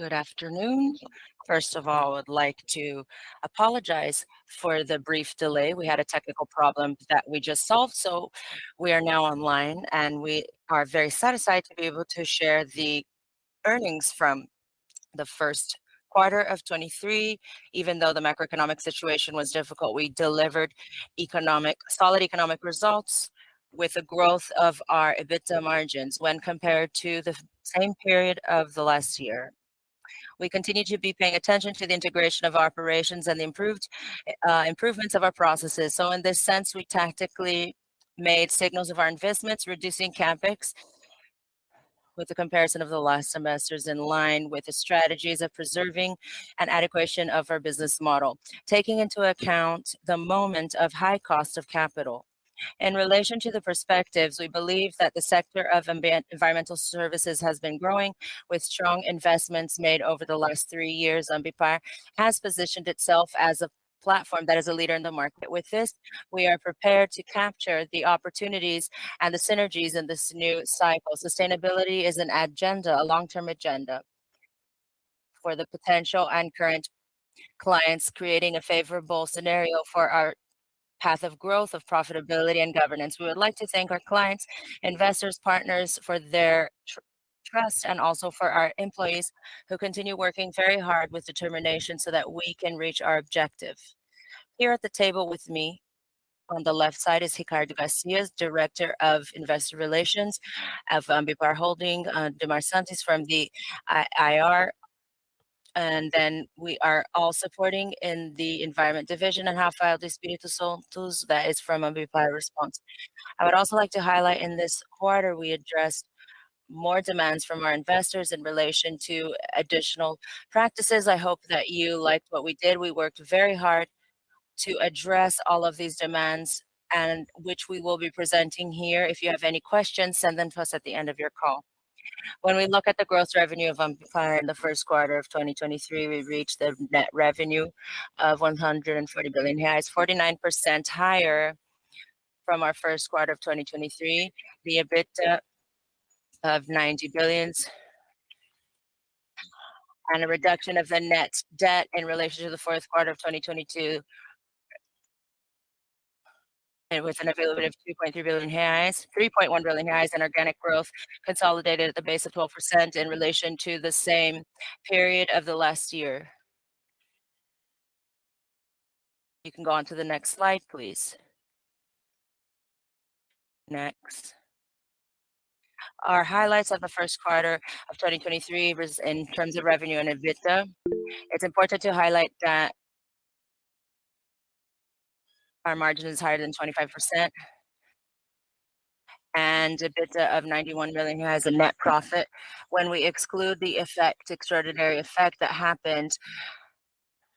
Good afternoon. First of all, I would like to apologize for the brief delay. We had a technical problem that we just solved, so we are now online, and we are very satisfied to be able to share the earnings from the first quarter of 2023. Even though the macroeconomic situation was difficult, we delivered solid economic results with the growth of our EBITDA margins when compared to the same period of the last year. We continue to be paying attention to the integration of operations and the improved improvements of our processes. In this sense, we tactically made signals of our investments, reducing CapEx with the comparison of the last semesters in line with the strategies of preserving an adequate of our business model. Taking into account the moment of high cost of capital. In relation to the perspectives, we believe that the sector of environmental services has been growing with strong investments made over the last three years. Ambipar has positioned itself as a platform that is a leader in the market. With this, we are prepared to capture the opportunities and the synergies in this new cycle. Sustainability is an agenda, a long-term agenda for the potential and current clients, creating a favorable scenario for our path of growth, of profitability and governance. We would like to thank our clients, investors, partners for their trust and also for our employees who continue working very hard with determination so that we can reach our objective. Here at the table with me, on the left side is Ricardo Garcia, Director of Investor Relations of Ambipar Holding, Demar Santos from the IR. We are all supporting in the environment division and Rafael Espírito Santo that is from Ambipar Response. I would also like to highlight in this quarter, we addressed more demands from our investors in relation to additional practices. I hope that you liked what we did. We worked very hard to address all of these demands and which we will be presenting here. If you have any questions, send them to us at the end of your call. When we look at the gross revenue of Ambipar in the first quarter of 2023, we reached a net revenue of 140 billion reais, 49% higher from our first quarter of 2023. The EBITDA of 90 billion and a reduction of the net debt in relation to the fourth quarter of 2022 with an availability of 3.3 billion reais, 3.1 billion reais in organic growth, consolidated at the base of 12% in relation to the same period of the last year. You can go on to the next slide, please. Next. Our highlights of the first quarter of 2023 was in terms of revenue and EBITDA. It's important to highlight that our margin is higher than 25% and EBITDA of 91 billion in net profit. When we exclude the effect, extraordinary effect that happened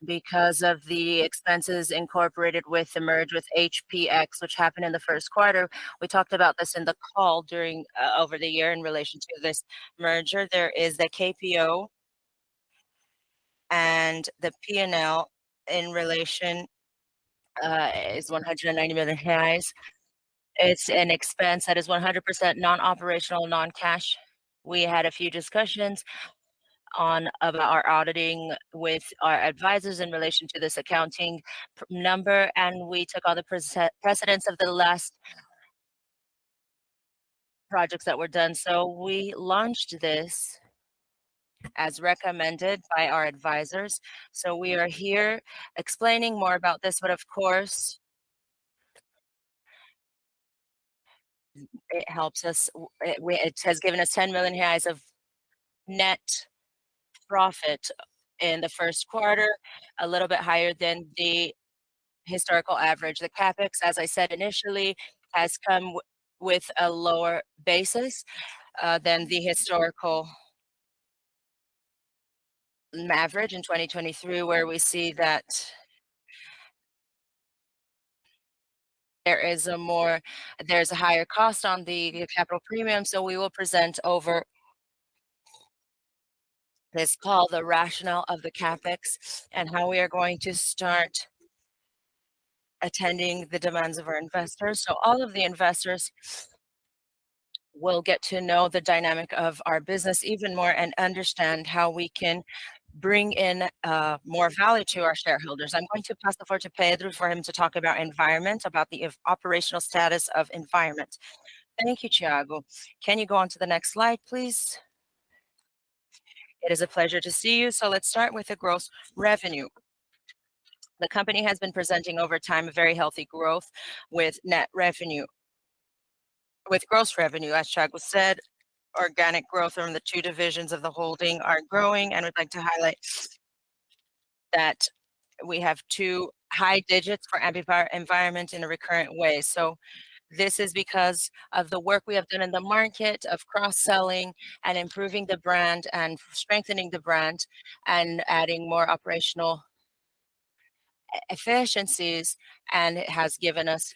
because of the expenses incorporated with the merge with HPX, which happened in the first quarter. We talked about this in the call during over the year in relation to this merger. There is the KPO and the P&L in relation, is 190 million reais. It's an expense that is 100% non-operational, non-cash. We had a few discussions of our auditing with our advisors in relation to this accounting number. We took all the precedents of the last projects that were done. We launched this as recommended by our advisors. We are here explaining more about this. Of course, it helps us. It has given us 10 million reais of net profit in the first quarter, a little bit higher than the historical average. The CapEx, as I said initially, has come with a lower basis than the historical average in 2023, where we see that there's a higher cost on the capital premium. We will present over this call the rationale of the CapEx and how we are going to start attending the demands of our investors. All of the investors will get to know the dynamic of our business even more and understand how we can bring in more value to our shareholders. I'm going to pass the floor to Pedro for him to talk about Ambipar Environment, about the operational status of Ambipar Environment. Thank you, Thiago. Can you go onto the next slide, please? It is a pleasure to see you. Let's start with the gross revenue. The company has been presenting over time a very healthy growth with net revenue. With gross revenue, as Thiago said, organic growth from the two divisions of the holding are growing, and I'd like to highlight that we have two high digits for Ambipar Environment in a recurrent way. This is because of the work we have done in the market of cross-selling and improving the brand and strengthening the brand and adding more operational efficiencies, and it has given us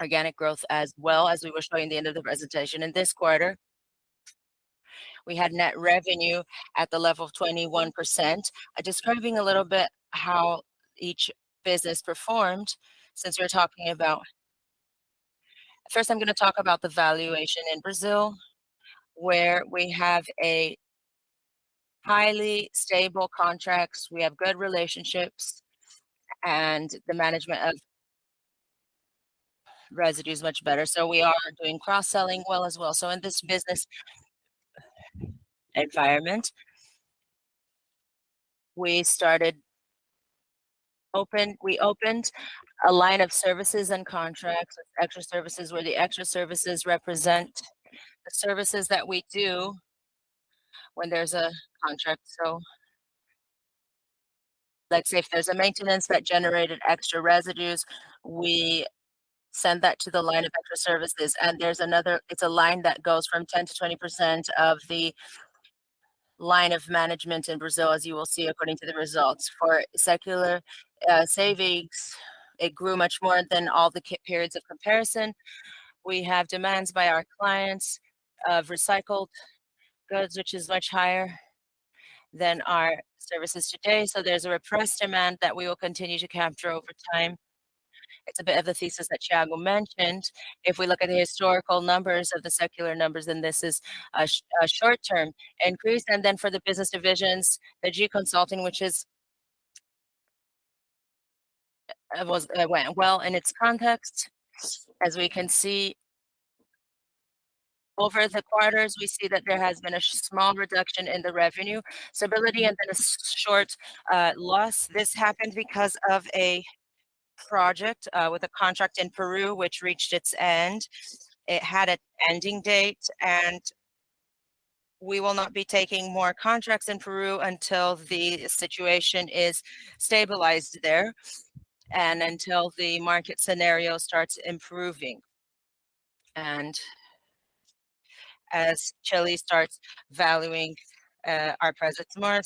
organic growth as well as we will show in the end of the presentation. In this quarter, we had net revenue at the level of 21%. Describing a little bit how each business performed. First, I'm gonna talk about the valorization in Brazil, where we have highly stable contracts. We have good relationships, and the management of residue is much better. We are doing cross-selling well as well. In this business environment, we opened a line of services and contracts with extra services, where the extra services represent the services that we do when there's a contract. Let's say if there's a maintenance that generated extra residues, we send that to the line of extra services, there's a line that goes from 10%-20% of the line of management in Brazil, as you will see according to the results. For circular savings, it grew much more than all the periods of comparison. We have demands by our clients of recycled goods, which is much higher than our services today. There's a repressed demand that we will continue to capture over time. It's a bit of the thesis that Thiago mentioned. If we look at the historical numbers of the circular numbers, then this is a short-term increase. For the business divisions, the GE Consulting, it went well in its context. As we can see, over the quarters, we see that there has been a small reduction in the revenue stability and then a short loss. This happened because of a project with a contract in Peru, which reached its end. It had an ending date, and we will not be taking more contracts in Peru until the situation is stabilized there and until the market scenario starts improving and as Chile starts valuing our presence more.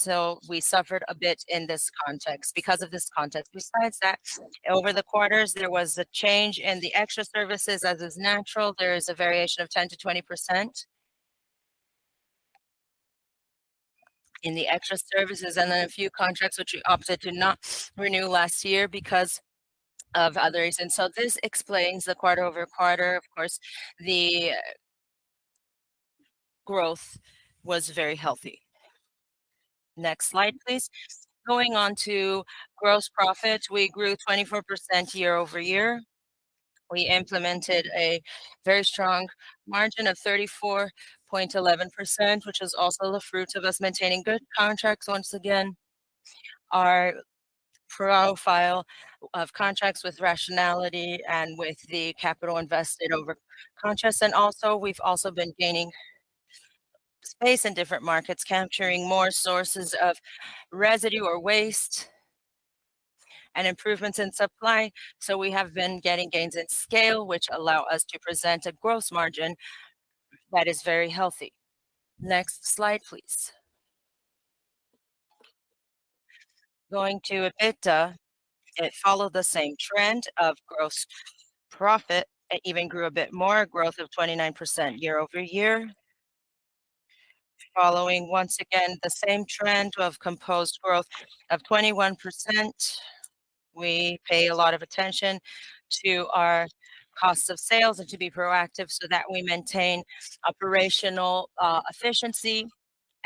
We suffered a bit in this context, because of this context. Besides that, over the quarters, there was a change in the extra services. As is natural, there is a variation of 10%-20% in the extra services and then a few contracts which we opted to not renew last year because of other reasons. This explains the quarter-over-quarter. Of course, the growth was very healthy. Next slide, please. Going on to gross profit, we grew 24% year-over-year. We implemented a very strong margin of 34.11%, which is also the fruit of us maintaining good contracts. Once again, our profile of contracts with rationality and with the capital invested over contracts. Also, we've also been gaining space in different markets, capturing more sources of residue or waste and improvements in supply. We have been getting gains in scale, which allow us to present a gross margin that is very healthy. Next slide, please. Going to EBITDA, it followed the same trend of gross profit. It even grew a bit more, growth of 29% year-over-year. Following, once again, the same trend of composed growth of 21%. We pay a lot of attention to our cost of sales and to be proactive so that we maintain operational efficiency,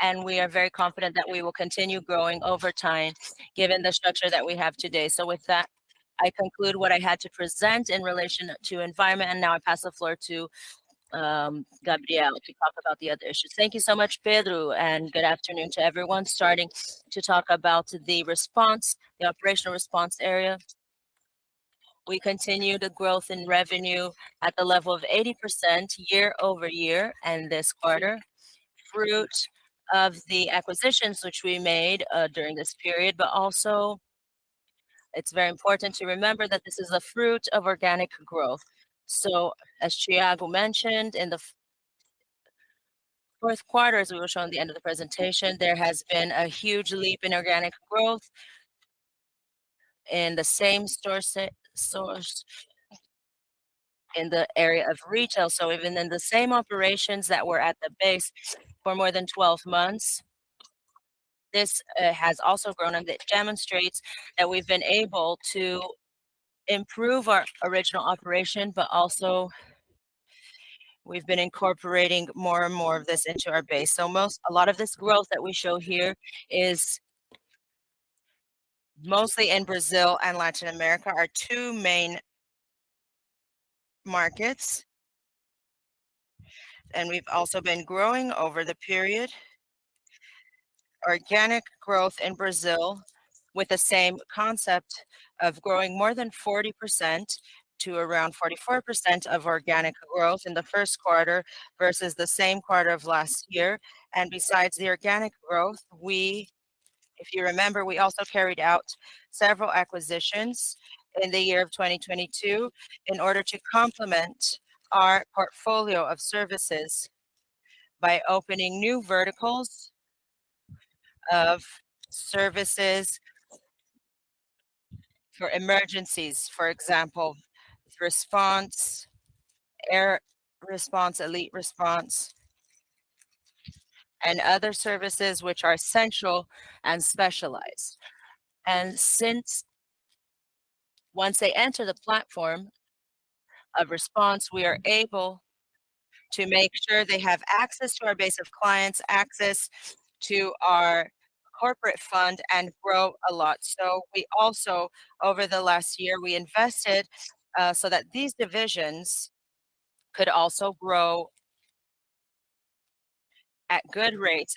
and we are very confident that we will continue growing over time given the structure that we have today. With that, I conclude what I had to present in relation to environment, and now I pass the floor to Gabriela to talk about the other issues. Thank you so much, Pedro, and good afternoon to everyone. Starting to talk about the response, the operational response area. We continue the growth in revenue at the level of 80% year-over-year and this quarter, fruit of the acquisitions which we made during this period. Also, it's very important to remember that this is a fruit of organic growth. As Thiago mentioned, in the fourth quarter, as we will show on the end of the presentation, there has been a huge leap in organic growth in the same store stores in the area of retail. Even in the same operations that were at the base for more than 12 months, this has also grown, and it demonstrates that we've been able to improve our original operation, but also we've been incorporating more and more of this into our base. A lot of this growth that we show here is mostly in Brazil and Latin America, our two main markets. We've also been growing over the period. Organic growth in Brazil with the same concept of growing more than 40% to around 44% of organic growth in the first quarter versus the same quarter of last year. Besides the organic growth, we, if you remember, we also carried out several acquisitions in the year of 2022 in order to complement our portfolio of services by opening new verticals of services for emergencies. For example, response, Air Response, elite response. Other services which are essential and specialized. Since once they enter the platform of response, we are able to make sure they have access to our base of clients, access to our corporate fund and grow a lot. We also, over the last year, we invested so that these divisions could also grow at good rates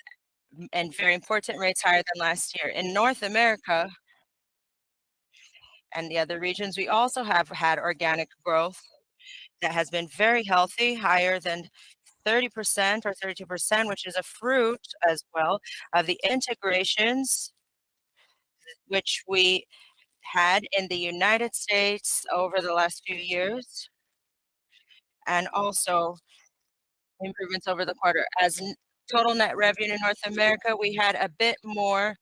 and very important rates higher than last year. In North America and the other regions, we also have had organic growth that has been very healthy, higher than 30% or 32%, which is a fruit as well of the integrations which we had in the United States over the last few years, and also improvements over the quarter. As total net revenue in North America, we had a bit more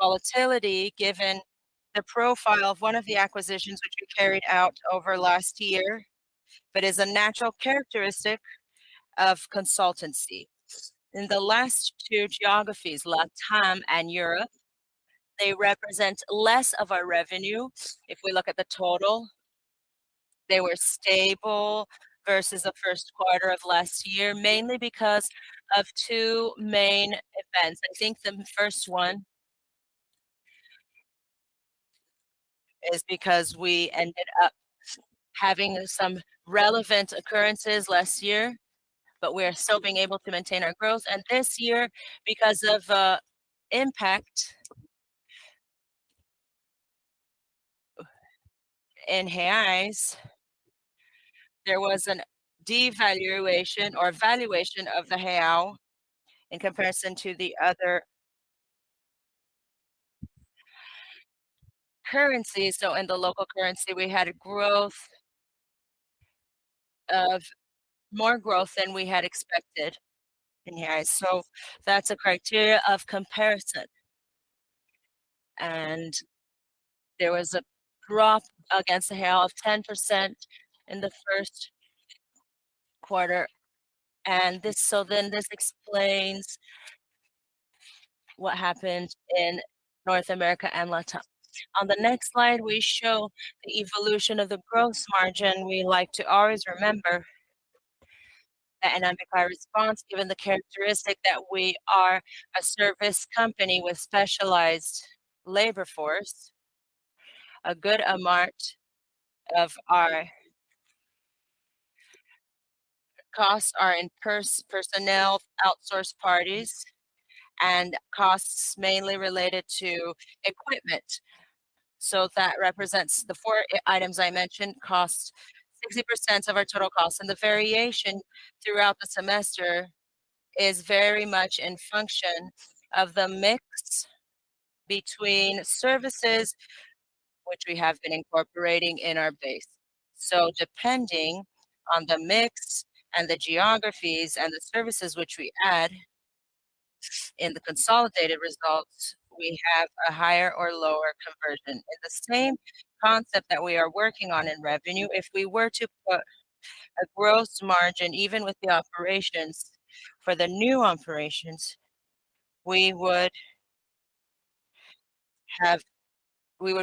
volatility given the profile of one of the acquisitions which we carried out over last year. Is a natural characteristic of consultancy. In the last two geographies, LatAm and Europe, they represent less of our revenue if we look at the total. They were stable versus the first quarter of last year, mainly because of two main events. I think the first one is because we ended up having some relevant occurrences last year. We are still being able to maintain our growth. This year, because of impact in reais, there was a devaluation or valuation of the real in comparison to the other currencies. In the local currency, we had a growth of more growth than we had expected in reais. That's a criterion of comparison. There was a growth against the real of 10% in the first quarter. This explains what happened in North America and LatAm. On the next slide, we show the evolution of the gross margin. We like to always remember at Ambipar Response, given the characteristic that we are a service company with specialized labor force, a good amount of our costs are in personnel, outsourced parties, and costs mainly related to equipment. That represents the four items I mentioned, costs 60% of our total costs. The variation throughout the semester is very much in function of the mix between services which we have been incorporating in our base. Depending on the mix and the geographies and the services which we add in the consolidated results, we have a higher or lower conversion. In the same concept that we are working on in revenue, if we were to put a gross margin, even with the operations for the new operations, we would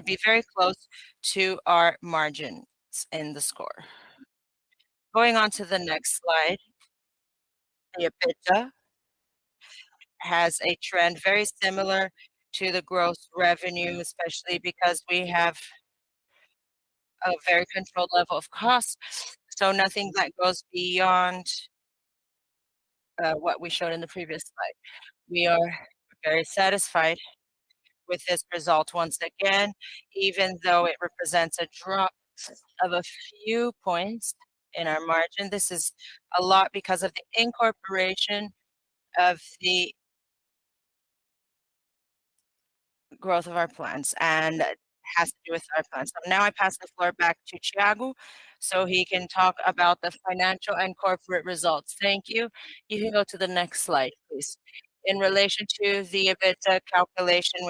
be very close to our margins in the score. Going on to the next slide, EBITDA has a trend very similar to the gross revenue, especially because we have a very controlled level of cost. Nothing that goes beyond what we showed in the previous slide. We are very satisfied with this result once again, even though it represents a drop of a few points in our margin. This is a lot because of the incorporation of the growth of our plans and has to do with our plans. Now I pass the floor back to Thiago so he can talk about the financial and corporate results. Thank you. You can go to the next slide, please. In relation to the EBITDA calculation.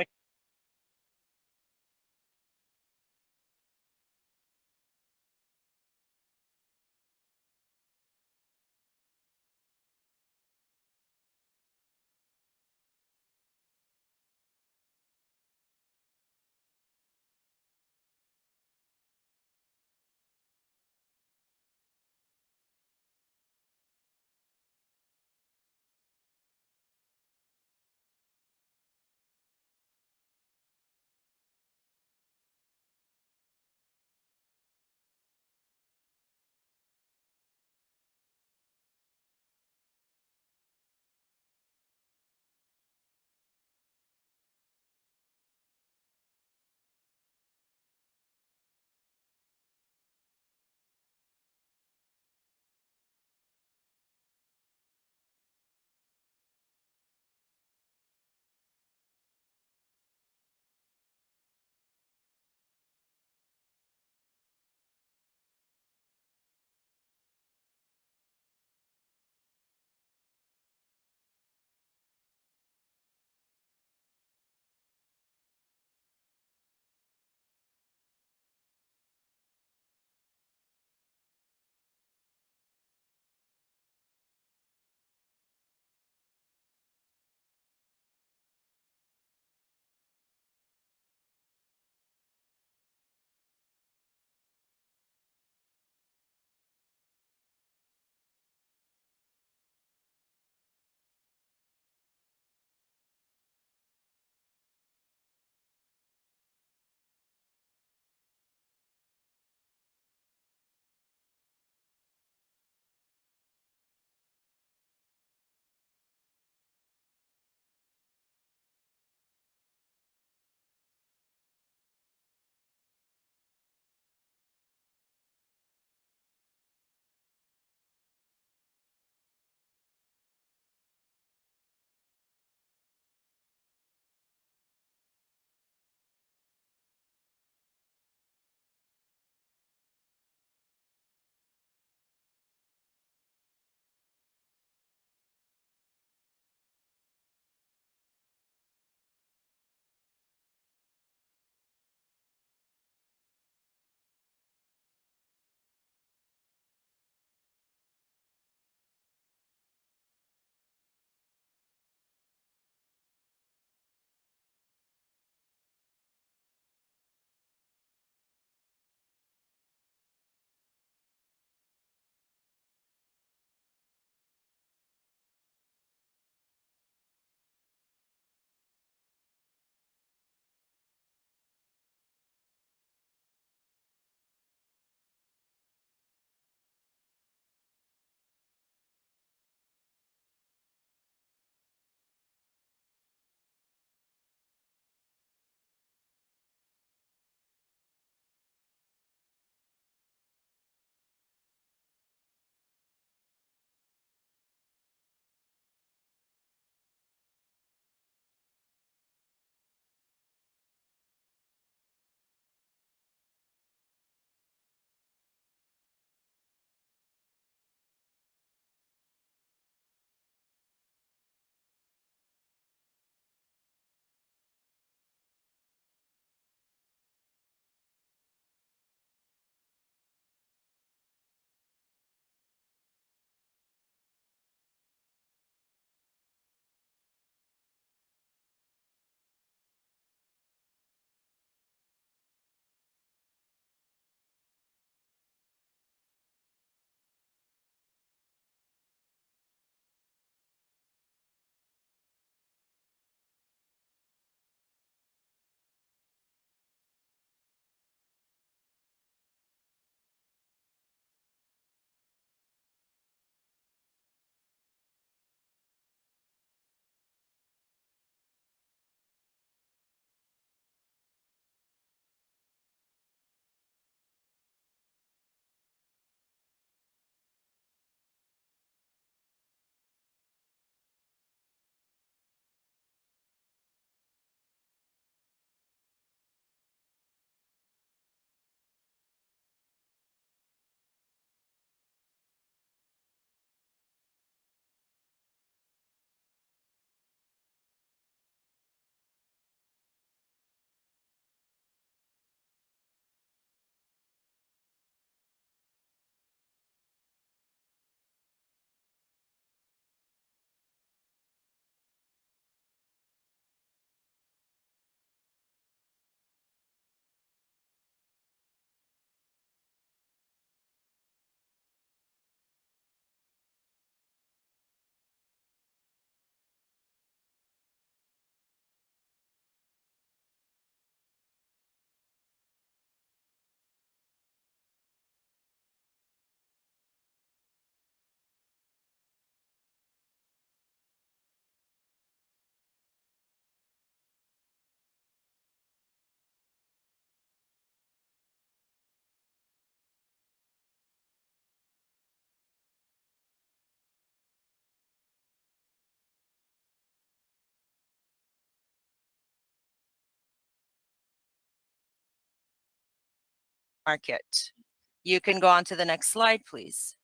You can go on to the next slide, please.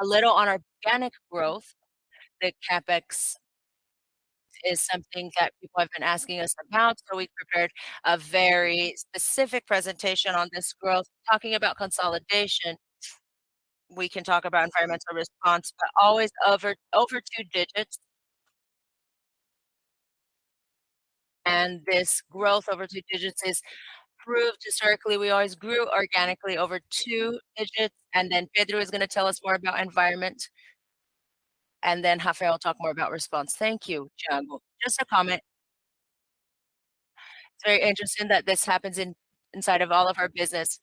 A little on organic growth. The CapEx is something that people have been asking us about, so we prepared a very specific presentation on this growth. Talking about consolidation, we can talk about environmental response, but always over two digits. This growth over two digits is proved historically. We always grew organically over two digits. Pedro is gonna tell us more about Environment, Rafael will talk more about Response. Thank you, Thiago. Just a comment. It's very interesting that this happens inside of all of our business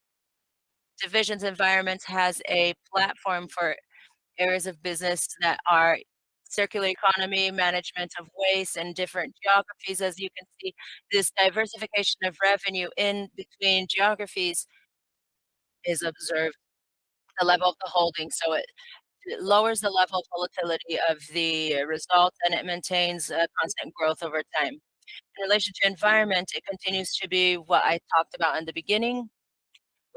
divisions. Environment has a platform for areas of business that are circular economy, management of waste in different geographies. This diversification of revenue in between geographies is observed. The level of the holding, it lowers the level of volatility of the result, and it maintains a constant growth over time. In relation to Environment, it continues to be what I talked about in the beginning.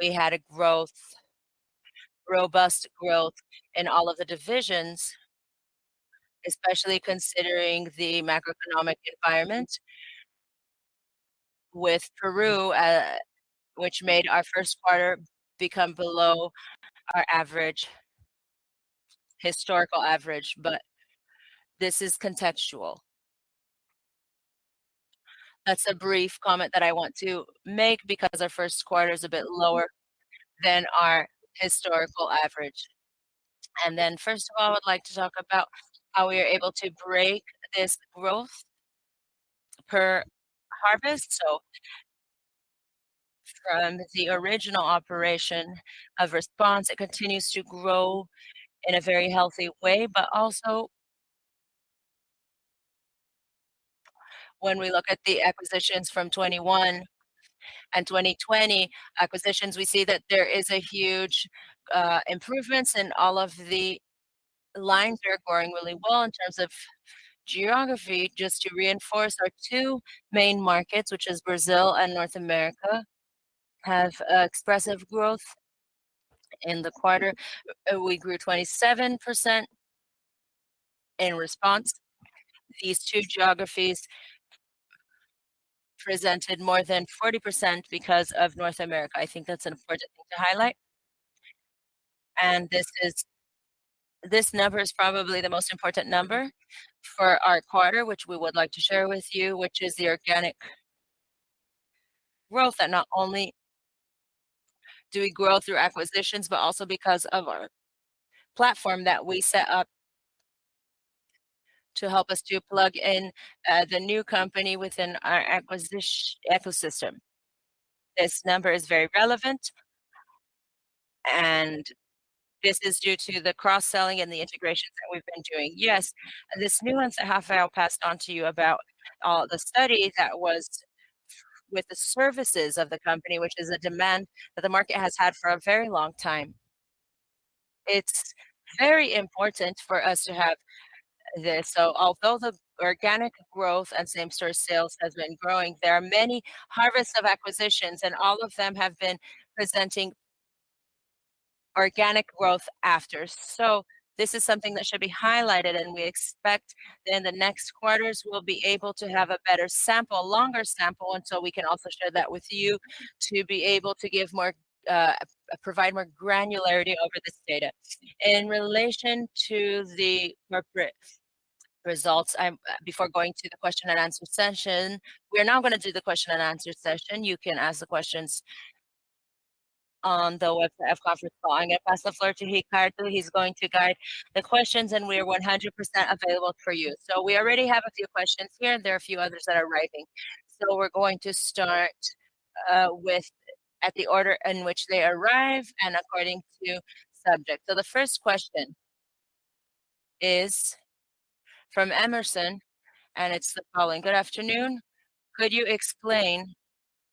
We had a growth, robust growth in all of the divisions. Especially considering the macroeconomic environment with Peru, which made our first quarter become below our average, historical average. This is contextual. That's a brief comment that I want to make because our first quarter is a bit lower than our historical average. First of all, I would like to talk about how we are able to break this growth per harvest. From the original operation of Ambipar Response, it continues to grow in a very healthy way. When we look at the acquisitions from 2021 and 2020 acquisitions, we see that there is a huge improvements in all of the lines that are growing really well. In terms of geography, just to reinforce our two main markets, which is Brazil and North America, have expressive growth. In the quarter, we grew 27%. In Ambipar Response, these two geographies presented more than 40% because of North America. I think that's an important thing to highlight. This number is probably the most important number for our quarter, which we would like to share with you, which is the organic growth that not only do we grow through acquisitions, but also because of our platform that we set up to help us to plug in the new company within our ecosystem. This number is very relevant, and this is due to the cross-selling and the integration that we've been doing. Yes, this nuance that Rafael passed on to you about the study that was with the services of the company, which is a demand that the market has had for a very long time. It's very important for us to have this. Although the organic growth and same-store sales has been growing, there are many harvests of acquisitions, and all of them have been presenting organic growth after. This is something that should be highlighted, and we expect that in the next quarters we'll be able to have a better sample, longer sample, until we can also share that with you to be able to give more, provide more granularity over this data. In relation to the corporate results, before going to the question and answer session, we are now going to do the question and answer session. You can ask the questions on the web, for the conference call. I'm going to pass the floor to Ricardo. He's going to guide the questions, and we are 100% available for you. We already have a few questions here, and there are a few others that are rising. We're going to start with at the order in which they arrive and according to subject. The first question is from Emerson, and it's the following. Good afternoon. Could you explain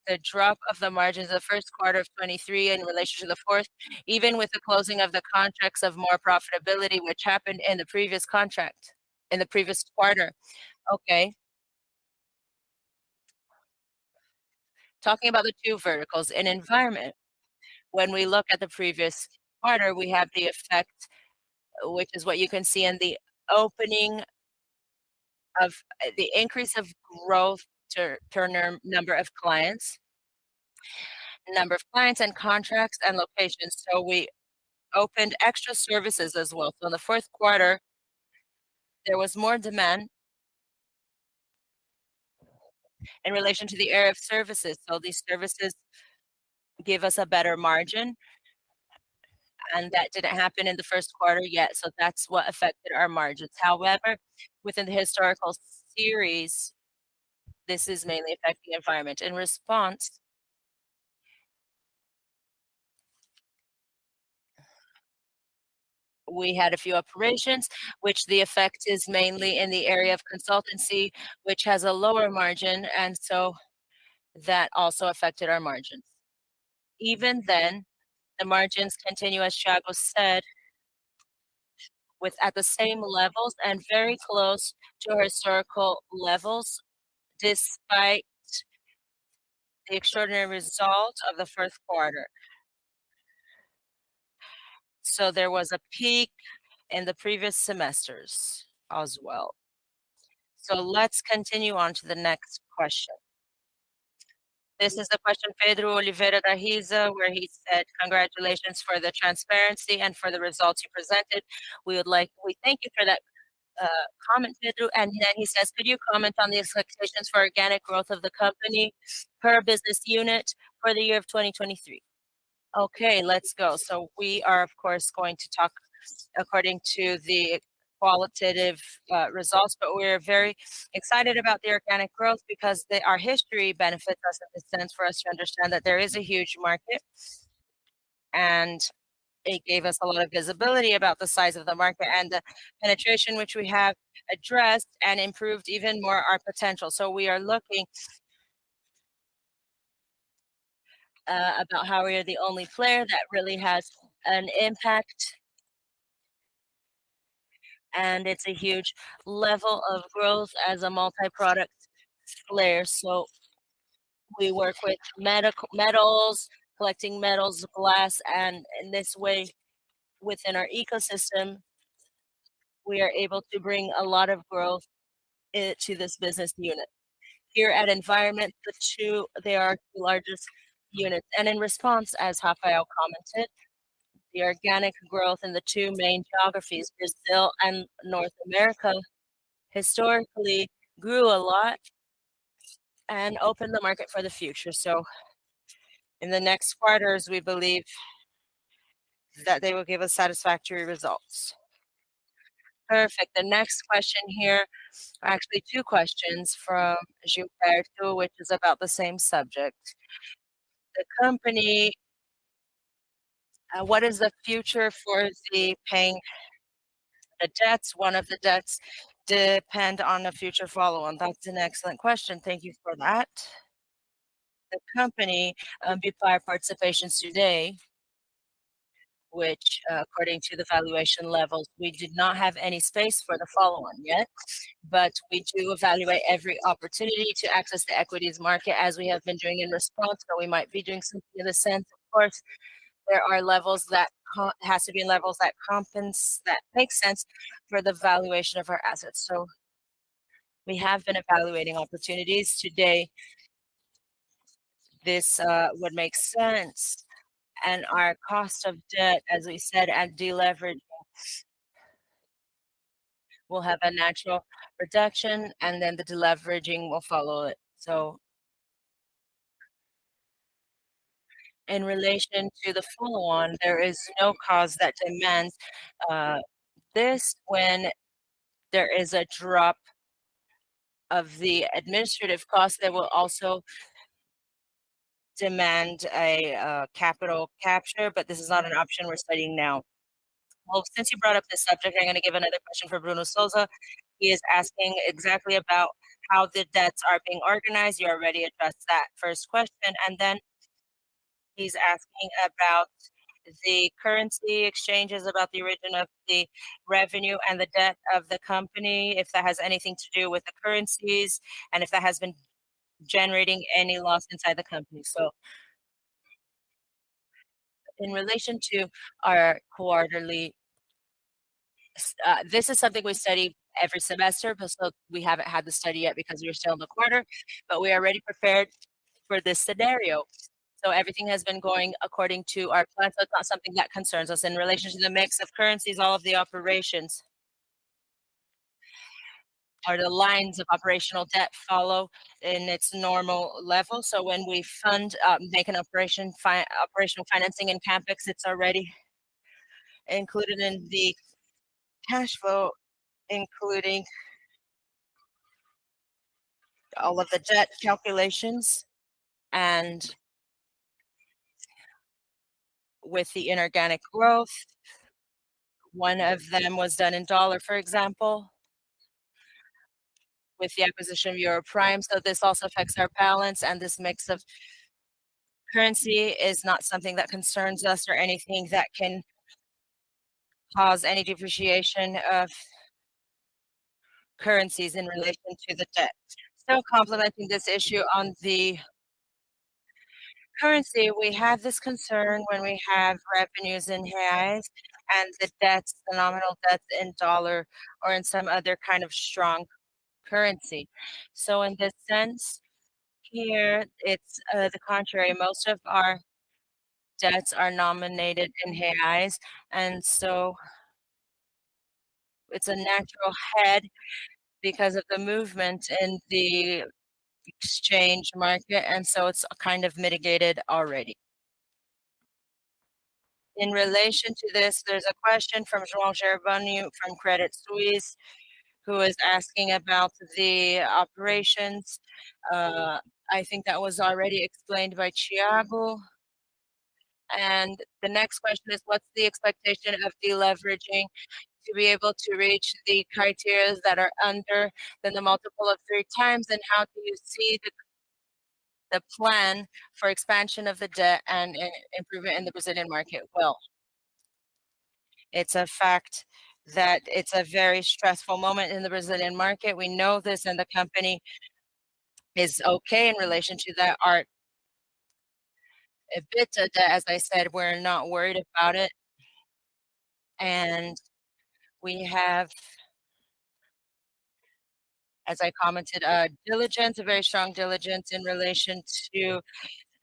the drop of the margins of the first quarter of 2023 in relation to the fourth, even with the closing of the contracts of more profitability, which happened in the previous contract, in the previous quarter? Okay. Talking about the two verticals in environment, when we look at the previous quarter, we have the effect, which is what you can see in the opening of the increase of growth to term number of clients and contracts and locations. We opened extra services as well. In the fourth quarter, there was more demand in relation to the area of services. These services gave us a better margin, and that didn't happen in the first quarter yet. That's what affected our margins. Within the historical series, this is mainly affecting environment. In response, we had a few operations, which the effect is mainly in the area of consultancy, which has a lower margin. That also affected our margins. The margins continue, as Thiago said, at the same levels and very close to historical levels, despite the extraordinary result of the first quarter. There was a peak in the previous semesters as well. Let's continue on to the next question. This is the question Pedro Oliveira de Rize where he said, "Congratulations for the transparency and for the results you presented. We thank you for that, comment, Pedro." He says, "Could you comment on the expectations for organic growth of the company per business unit for the year of 2023?" Okay, let's go. We are of course going to talk according to the qualitative results, but we are very excited about the organic growth because our history benefits us in a sense for us to understand that there is a huge market, and it gave us a lot of visibility about the size of the market and the penetration which we have addressed and improved even more our potential. We are looking about how we are the only player that really has an impact, and it's a huge level of growth as a multi-product player. We work with collecting metals, glass, and in this way, within our ecosystem, we are able to bring a lot of growth to this business unit. Here at Environment, the two largest units. In response, as Rafael commented, the organic growth in the two main geographies, Brazil and North America, historically grew a lot and opened the market for the future. In the next quarters, we believe that they will give us satisfactory results. Perfect. The next question here, or actually two questions from Gilberto, which is about the same subject. The company, what is the future for the paying the debts? One of the debts depend on the future follow-on. That's an excellent question. Thank you for that. The company, before our participations today, which according to the valuation levels, we did not have any space for the follow-on yet. We do evaluate every opportunity to access the equities market as we have been doing in response, but we might be doing something in a sense. Of course, there are levels that has to be levels that compense, that make sense for the valuation of our assets. We have been evaluating opportunities. Today, this would make sense and our cost of debt, as we said, at deleverage will have a natural reduction, the deleveraging will follow it. In relation to the follow-on, there is no cause that demands this when there is a drop of the administrative cost that will also demand a capital capture, but this is not an option we're studying now. Well, since you brought up this subject, I'm gonna give another question for Bruno Souza. He is asking exactly about how the debts are being organized. You already addressed that first question. He's asking about the currency exchanges, about the origin of the revenue and the debt of the company, if that has anything to do with the currencies, and if that has been generating any loss inside the company. In relation to our quarterly, this is something we study every semester, but still we haven't had the study yet because we are still in the quarter. We are already prepared for this scenario. Everything has been going according to our plan. It's not something that concerns us. In relation to the mix of currencies, all of the operations or the lines of operational debt follow in its normal level. When we fund, make an operational financing in CapEx, it's already included in the cash flow, including all of the debt calculations and with the inorganic growth. One of them was done in USD, for example, with the acquisition of [Europrime], this also affects our balance. This mix of currency is not something that concerns us or anything that can cause any depreciation of currencies in relation to the debt. Still complementing this issue on the currency, we have this concern when we have revenues in BRL and the debts, the nominal debts in USD or in some other kind of strong currency. In this sense, here it's the contrary. Most of our debts are nominated in BRL, it's a natural hedge because of the movement in the exchange market, it's kind of mitigated already. In relation to this, there's a question from João Gervasio from Credit Suisse, who is asking about the operations. I think that was already explained by Thiago. The next question is, what's the expectation of deleveraging to be able to reach the criteria that are under than the multiple of 3x? How do you see the plan for expansion of the debt and improvement in the Brazilian market? Well, it's a fact that it's a very stressful moment in the Brazilian market. We know this. The company is okay in relation to the our EBITDA. As I said, we're not worried about it. We have, as I commented, a diligence, a very strong diligence in relation to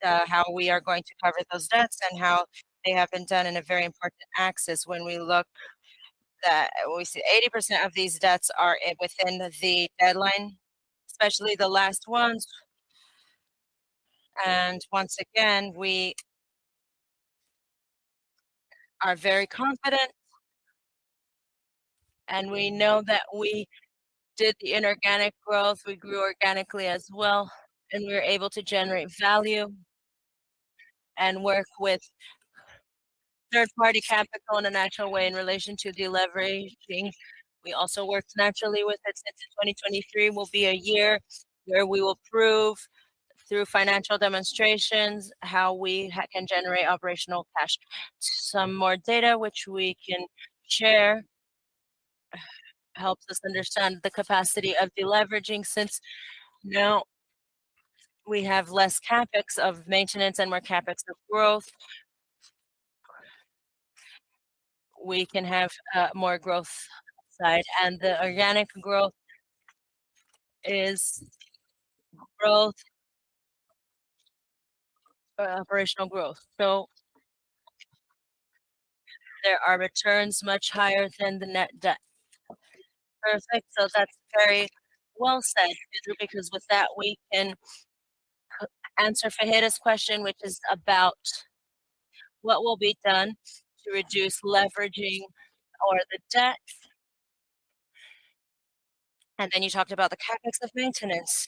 how we are going to cover those debts and how they have been done in a very important axis. When we look, we see 80% of these debts are within the deadline, especially the last ones. Once again, we are very confident and we know that we did the inorganic growth, we grew organically as well, and we were able to generate value and work with third-party capital in a natural way in relation to deleveraging. We also worked naturally with it since 2023 will be a year where we will prove through financial demonstrations how we can generate operational cash. Some more data which we can share helps us understand the capacity of deleveraging since now we have less CapEx of maintenance and more CapEx of growth. We can have more growth side, the organic growth is growth, operational growth. There are returns much higher than the net debt. Perfect. That's very well said because with that we can answer Guilherme Palhares' question, which is about what will be done to reduce leveraging or the debt. You talked about the CapEx of maintenance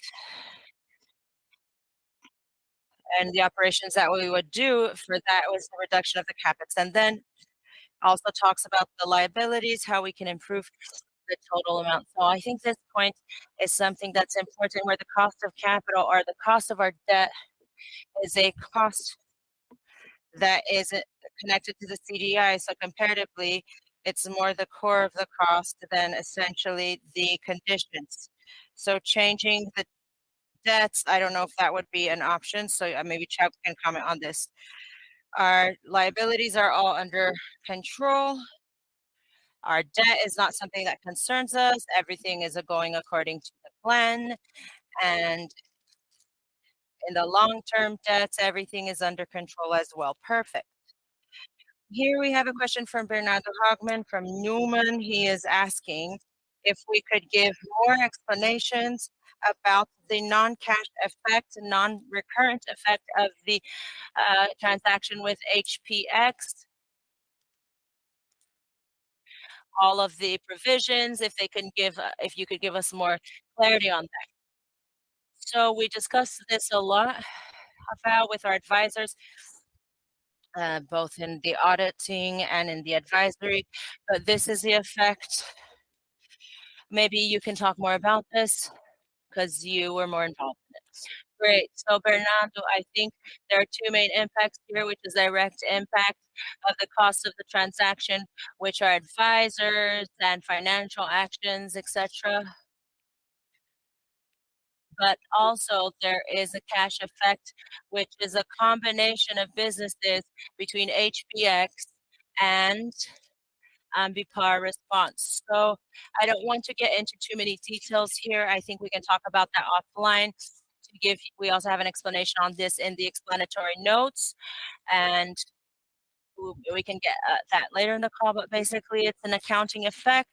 and the operations that we would do for that was the reduction of the CapEx. Also talks about the liabilities, how we can improve the total amount. I think this point is something that's important, where the cost of capital or the cost of our debt is a cost that isn't connected to the CDI. Comparatively, it's more the core of the cost than essentially the conditions. Changing the debts, I don't know if that would be an option, so maybe Chuck can comment on this. Our liabilities are all under control. Our debt is not something that concerns us. Everything is going according to the plan, and in the long-term debts, everything is under control as well. Perfect. Here we have a question from Bernardo Guttmann from Neumann. He is asking if we could give more explanations about the non-cash effect, non-recurrent effect of the transaction with HPX. All of the provisions, if they can give, if you could give us more clarity on that. We discussed this a lot, Rafael, with our advisors, both in the auditing and in the advisory, this is the effect. Maybe you can talk more about this 'cause you were more involved in this. Great. Bernardo, I think there are two main impacts here, which is direct impact of the cost of the transaction, which are advisors and financial actions, et cetera. Also there is a cash effect, which is a combination of businesses between HPX and Ambipar Response. I don't want to get into too many details here. I think we can talk about that offline to give-- We also have an explanation on this in the explanatory notes, we can get that later in the call. Basically, it's an accounting effect.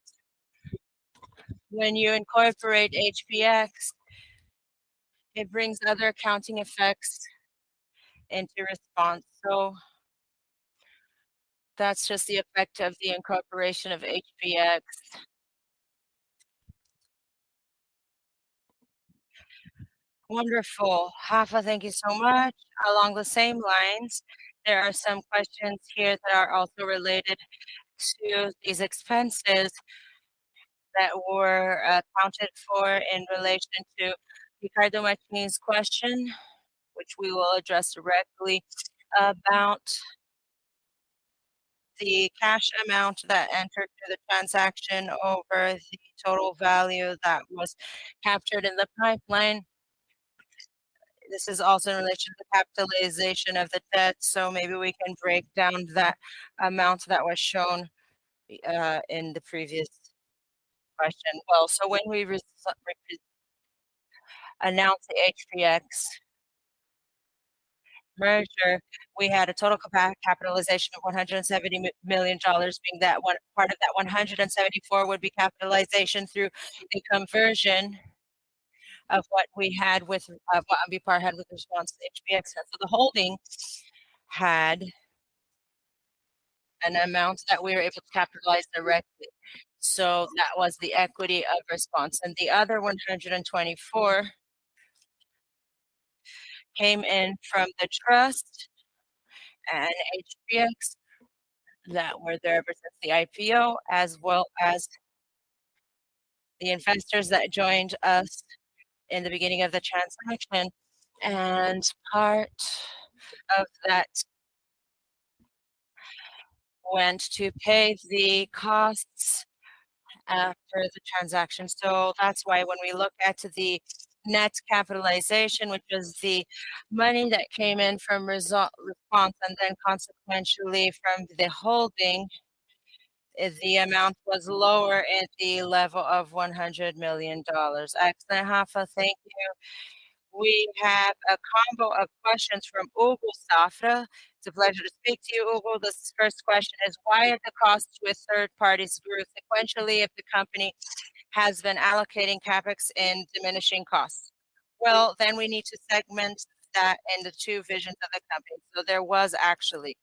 When you incorporate HPX, it brings other accounting effects into Response. That's just the effect of the incorporation of HPX. Wonderful. Rafa, thank you so much. Along the same lines, there are some questions here that are also related to these expenses that were accounted for in relation to Ricardo Martinez's question, which we will address directly about the cash amount that entered through the transaction over the total value that was captured in the pipeline. This is also in relation to the capitalization of the debt, maybe we can break down that amount that was shown in the previous question. When we announced the HPX merger, we had a total capitalization of $170 million, being that part of that $174 million would be capitalization through the conversion of what we had with, of what Ambipar had with Response to the HPX. The holding had an amount that we were able to capitalize directly. That was the equity of Response. The other $124 million came in from the trust and HPX that were there ever since the IPO, as well as the investors that joined us in the beginning of the transaction. Part of that went to pay the costs for the transaction. That's why when we look at the net capitalization, which was the money that came in from Result, Response, and then consequentially from the holding, the amount was lower at the level of $100 million. Excellent, Rafa. Thank you. We have a combo of questions from Vitor Safra. It's a pleasure to speak to you, Ugur. This first question is why did the cost to a third party grew sequentially if the company has been allocating CapEx in diminishing costs? Well, then we need to segment that in the two visions of the company. There was actually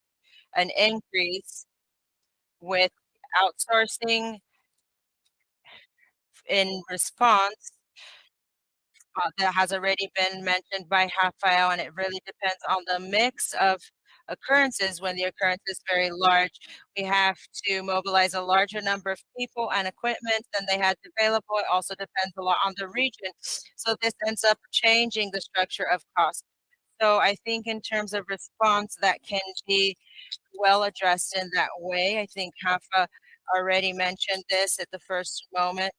an increase with outsourcing in Response that has already been mentioned by Rafael, and it really depends on the mix of occurrences. When the occurrence is very large, we have to mobilize a larger number of people and equipment than they had available. It also depends a lot on the region. This ends up changing the structure of cost. I think in terms of response, that can be well addressed in that way. I think Rafa already mentioned this at the first moment.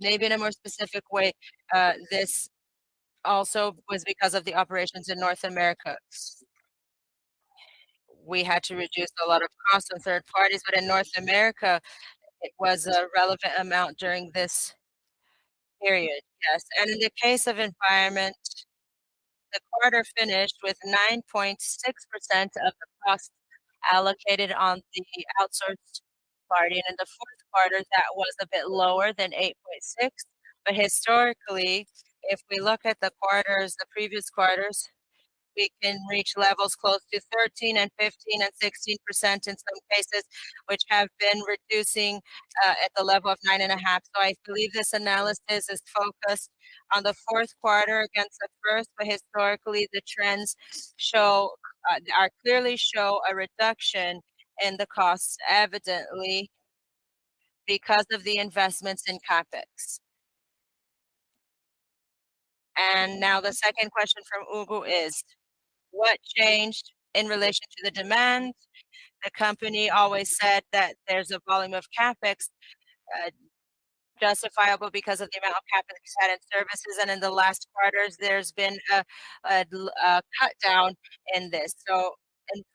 Maybe in a more specific way, this also was because of the operations in North America. We had to reduce a lot of costs on third parties, but in North America it was a relevant amount during this period. In the case of Environment, the quarter finished with 9.6% of the costs allocated on the outsourced party. In the fourth quarter, that was a bit lower than 8.6%. Historically, if we look at the quarters, the previous quarters, we can reach levels close to 13%, 15% and 16% in some cases, which have been reducing at the level of 9.5%. I believe this analysis is focused on Q4 against the first, historically the trends show are clearly show a reduction in the costs evidently because of the investments in CapEx. Now the second question from Ugor is: What changed in relation to the demand? The company always said that there's a volume of CapEx justifiable because of the amount of CapEx added services, and in the last quarters there's been a cut down in this.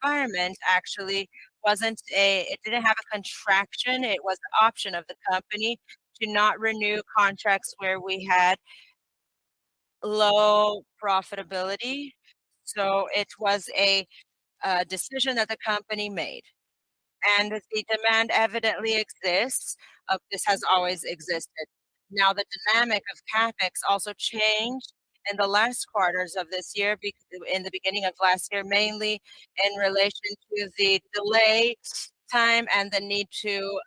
Environment actually wasn't It didn't have a contraction, it was the option of the company to not renew contracts where we had low profitability. It was a decision that the company made. The demand evidently exists. This has always existed. The dynamic of CapEx also changed in the last quarters of this year in the beginning of last year, mainly in relation to the delay time and the need to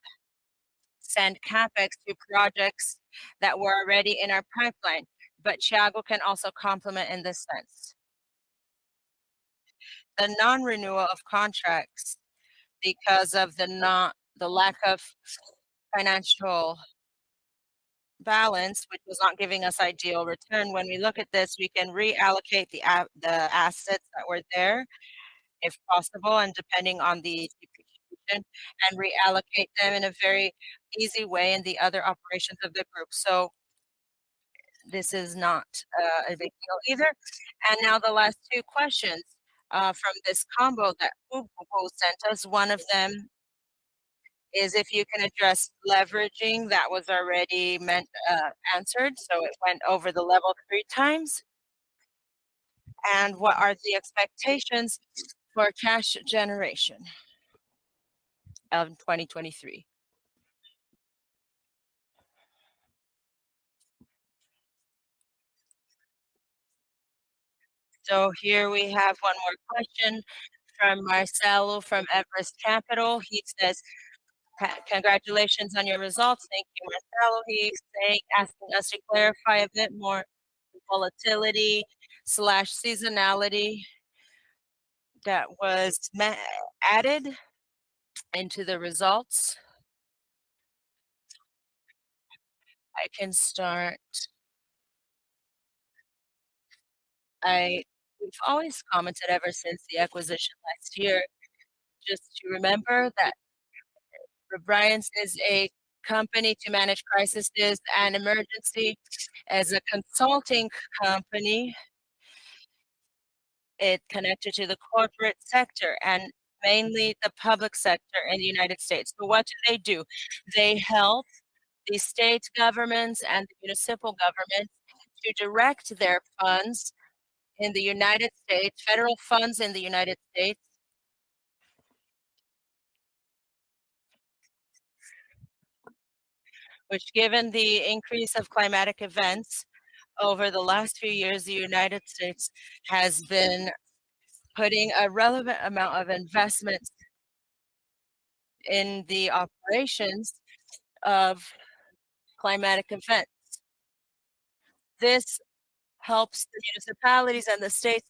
send CapEx to projects that were already in our pipeline. Thiago can also complement in this sense. The non-renewal of contracts because of the not, the lack of financial balance, which was not giving us ideal return, when we look at this, we can reallocate the assets that were there, if possible, and depending on the execution, and reallocate them in a very easy way in the other operations of the group. This is not a big deal either. Now the last two questions from this combo that Ugo sent us. One of them is if you can address leveraging. That was already answered. It went over the level 3x. What are the expectations for cash generation of 2023? Here we have one more question from Marcelo from Everest Capital. He says, congratulations on your results. Thank you, Marcelo. He's saying, asking us to clarify a bit more the volatility/seasonality that was added into the results. I can start. We've always commented ever since the acquisition last year, just to remember that Witt O'Brien's is a company to manage crises and emergency. As a consulting company, it connected to the corporate sector and mainly the public sector in the U.S. What do they do? They help the state governments and the municipal governments to direct their funds in the U.S., federal funds in the U.S. Which given the increase of climatic events over the last few years, the United States has been putting a relevant amount of investment in the operations of climatic events. This helps the municipalities and the states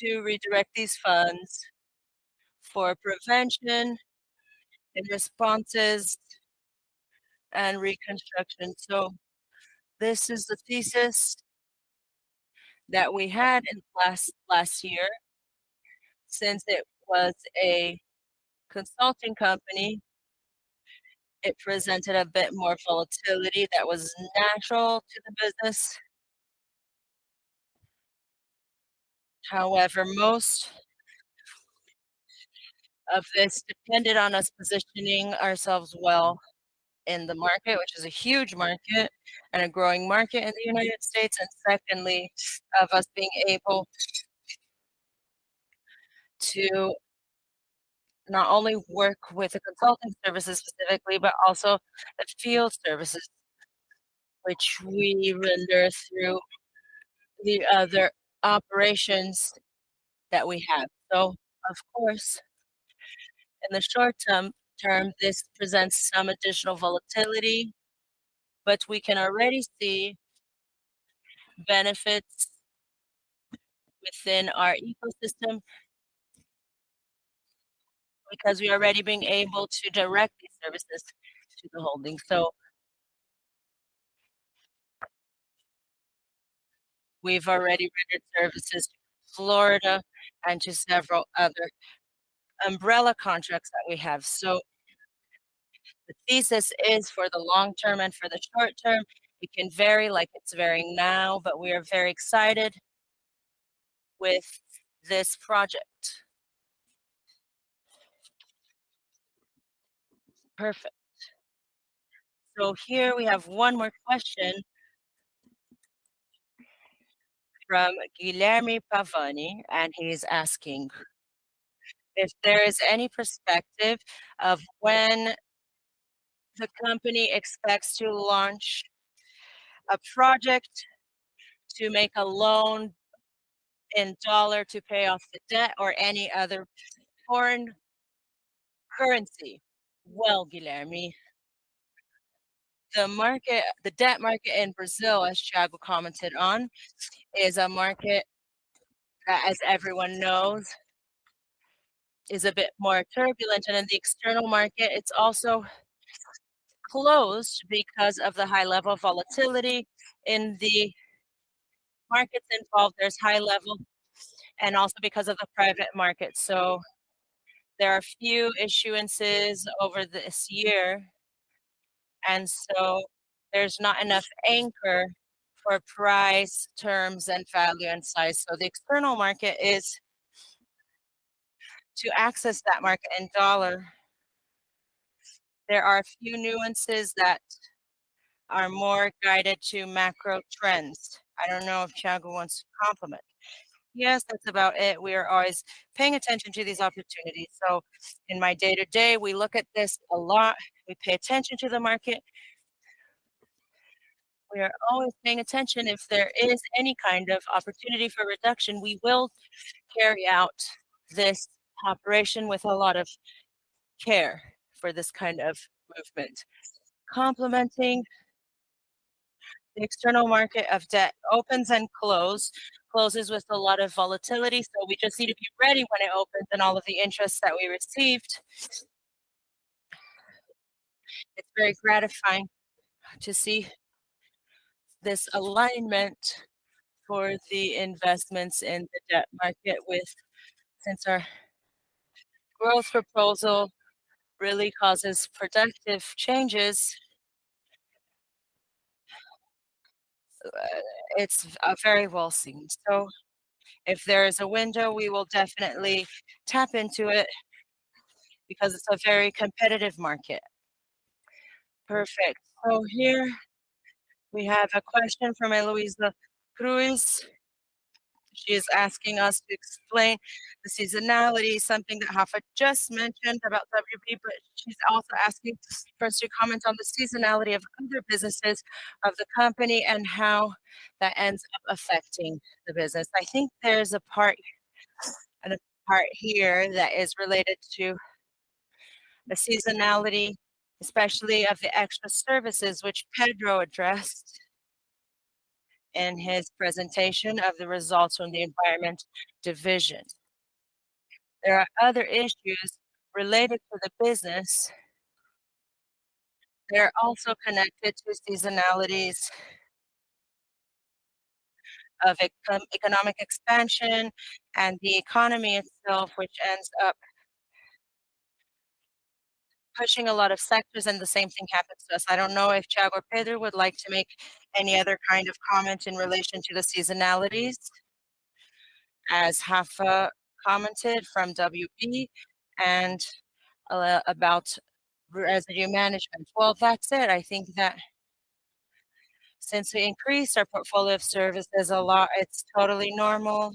to redirect these funds for prevention and responses and reconstruction. This is the thesis that we had in last year. Since it was a consulting company, it presented a bit more volatility that was natural to the business. However, most of this depended on us positioning ourselves well in the market, which is a huge market and a growing market in the United States. Secondly, of us being able to not only work with the consulting services specifically, but also the field services, which we render through the other operations that we have. Of course, in the short-term, this presents some additional volatility, but we can already see benefits within our ecosystem. Because we are already being able to direct these services to the holding. We've already rented services to Florida and to several other umbrella contracts that we have. The thesis is for the long term and for the short term, it can vary like it's varying now, but we are very excited with this project. Perfect. Here we have one more question from Guilherme Pavani, and he's asking if there is any perspective of when the company expects to launch a project to make a loan in dollars to pay off the debt or any other foreign currency. Guilherme, the market, the debt market in Brazil, as Thiago commented on, is a market that, as everyone knows, is a bit more turbulent than in the external market. It's also closed because of the high level of volatility in the markets involved. There's high level and also because of the private market. There are few issuances over this year. There's not enough anchor for price terms and value and size. The external market is to access that market in dollar. There are a few nuances that are more guided to macro trends. I don't know if Thiago wants to complement. That's about it. We are always paying attention to these opportunities. In my day-to-day, we look at this a lot. We pay attention to the market. We are always paying attention. If there is any kind of opportunity for reduction, we will carry out this operation with a lot of care for this kind of movement. Complementing the external market of debt opens and closes with a lot of volatility. We just need to be ready when it opens and all of the interest that we received. It's very gratifying to see this alignment for the investments in the debt market with, since our growth proposal really causes productive changes. It's very well seen. If there is a window, we will definitely tap into it because it's a very competitive market. Perfect. Here we have a question from Heloisa Cruz. She is asking us to explain the seasonality, something that Rafa just mentioned about WP, but she's also asking for us to comment on the seasonality of other businesses of the company and how that ends up affecting the business. I think there's a part, a part here that is related to the seasonality, especially of the extra services, which Pedro addressed in his presentation of the results from the environment division. There are other issues related to the business that are also connected with seasonalities of economic expansion and the economy itself, which ends up pushing a lot of sectors and the same thing happens to us. I don't know if Thiago or Pedro would like to make any other kind of comment in relation to the seasonalities. As Rafa commented from WP and about residue management. Well, that's it. I think that since we increased our portfolio of services a lot, it's totally normal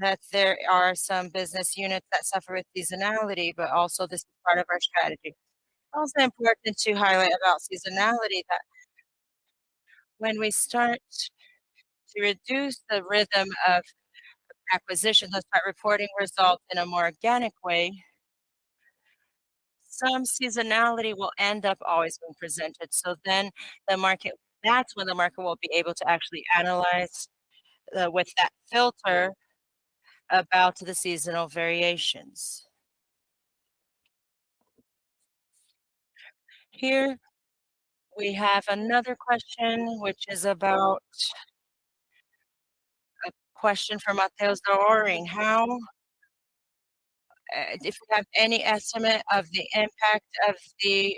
that there are some business units that suffer with seasonality, but also this is part of our strategy. It's also important to highlight about seasonality that when we start to reduce the rhythm of acquisitions and start reporting results in a more organic way, some seasonality will end up always being presented. The market, that's when the market will be able to actually analyze with that filter about the seasonal variations. Here we have another question, which is about a question from Matheus Doria. How, if we have any estimate of the impact of the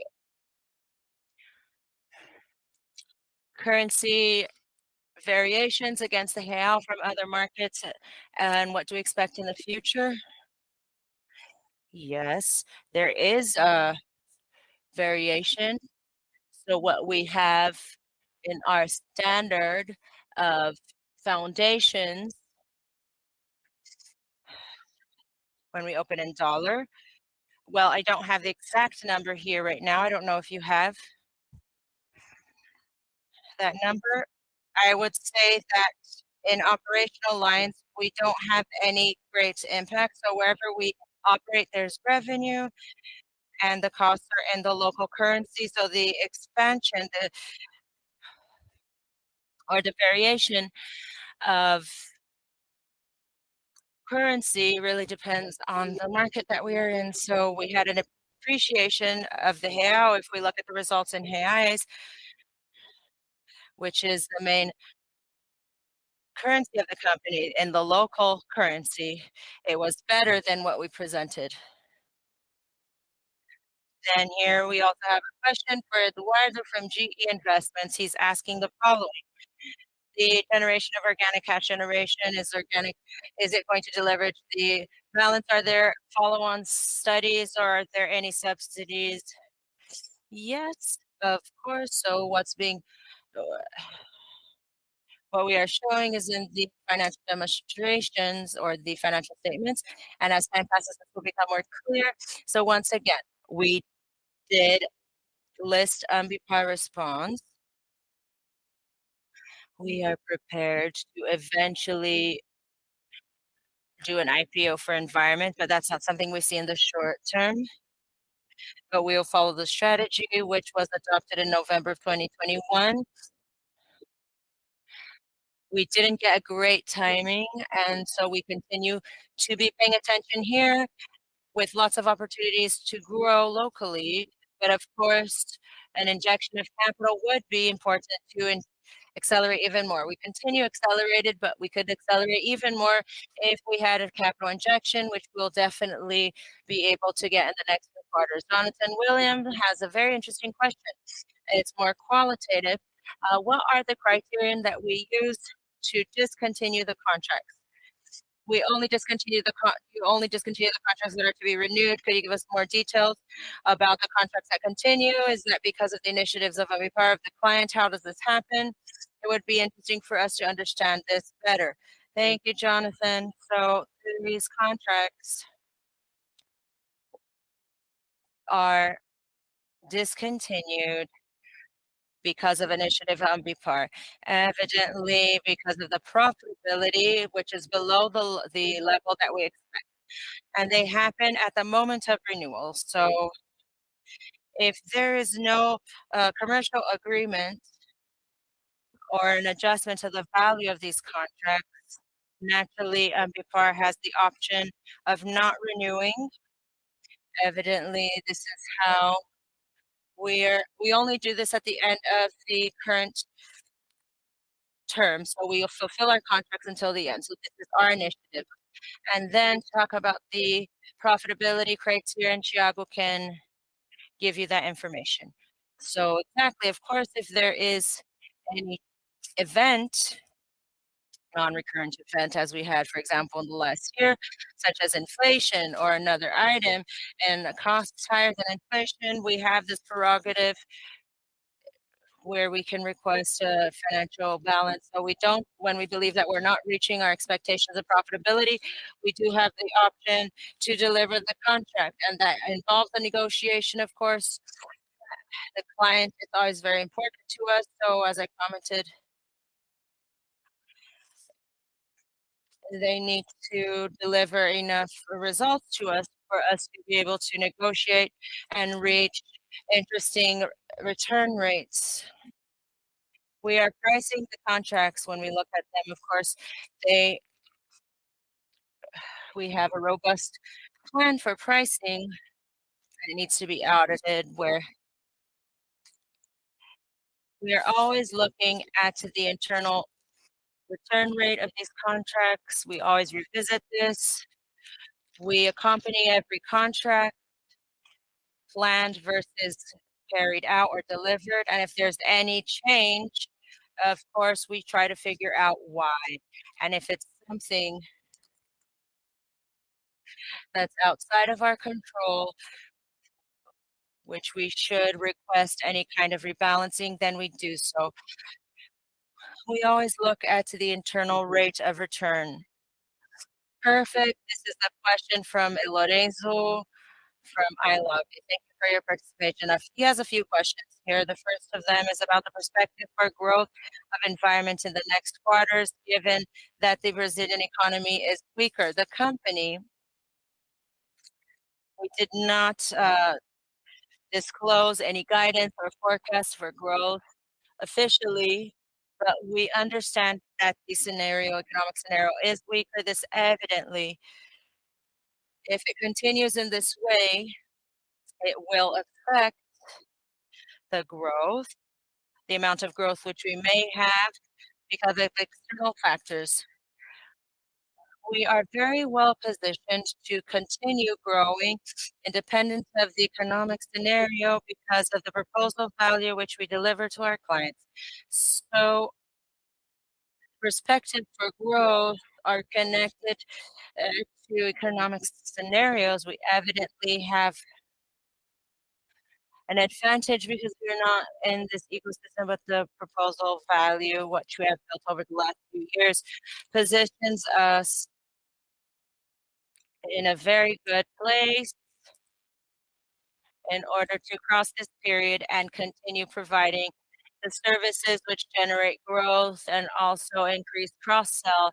currency variations against the real from other markets and what do we expect in the future? Yes, there is a variation. What we have in our standard of foundations when we open in USD. Well, I don't have the exact number here right now. I don't know if you have that number. I would say that in operational lines, we don't have any great impact. Wherever we operate, there's revenue and the costs are in the local currency. The expansion that or the variation of currency really depends on the market that we are in. We had an appreciation of the reais. If we look at the results in reais, which is the main currency of the company, in the local currency, it was better than what we presented. Here we also have a question for Eduardo from Genial Investimentos. He's asking the following. The generation of organic cash generation, is it going to deliver the balance? Are there follow-on studies or are there any subsidies? Yes, of course. What's being-- What we are showing is in the financial demonstrations or the financial statements. As time passes, this will become more clear. Once again, we did list Ambipar Response. We are prepared to eventually do an IPO for Environment, that's not something we see in the short term. We'll follow the strategy which was adopted in November 2021. We didn't get great timing, we continue to be paying attention here with lots of opportunities to grow locally. Of course, an injection of capital would be important to accelerate even more. We continue accelerated, we could accelerate even more if we had a capital injection, which we'll definitely be able to get in the next few quarters. Jonathan Williams has a very interesting question, it's more qualitative. What are the criterion that we use to discontinue the contracts? We only discontinue the contracts that are to be renewed. Could you give us more details about the contracts that continue? Is that because of the initiatives of Ambipar or of the client? How does this happen? It would be interesting for us to understand this better. Thank you, Jonathan. These contracts are discontinued because of initiative Ambipar. Evidently, because of the profitability, which is below the level that we expect, and they happen at the moment of renewal. If there is no commercial agreement or an adjustment to the value of these contracts, naturally Ambipar has the option of not renewing. Evidently, this is how. We only do this at the end of the current term. We will fulfill our contracts until the end. This is our initiative. To talk about the profitability criteria, Thiago can give you that information. Exactly, of course, if there is any event, non-recurrent event as we had, for example, in the last year, such as inflation or another item, and the cost is higher than inflation, we have this prerogative where we can request a financial balance. We don't. When we believe that we're not reaching our expectations of profitability, we do have the option to deliver the contract, and that involves a negotiation, of course. The client is always very important to us. As I commented, they need to deliver enough results to us for us to be able to negotiate and reach interesting return rates. We are pricing the contracts when we look at them. Of course, they. We have a robust plan for pricing that needs to be audited where we are always looking at the internal rate of return of these contracts. We always revisit this. We accompany every contract planned versus carried out or delivered. If there's any change, of course, we try to figure out why. If it's something that's outside of our control, which we should request any kind of rebalancing, then we do so. We always look at the internal rate of return. Perfect. This is a question from Lorenzo from ILOG. Thank you for your participation. He has a few questions here. The first of them is about the perspective for growth of Environment in the next quarters, given that the Brazilian economy is weaker. The company, we did not disclose any guidance or forecast for growth officially, but we understand that the scenario, economic scenario is weaker. This evidently, if it continues in this way, it will affect the growth, the amount of growth which we may have because of the external factors. We are very well-positioned to continue growing independent of the economic scenario because of the proposal value which we deliver to our clients. Perspectives for growth are connected to economic scenarios. We evidently have an advantage because we are not in this ecosystem with the proposal value, which we have built over the last few years, positions us in a very good place in order to cross this period and continue providing the services which generate growth and also increase cross-sell